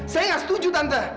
saya tidak setuju tante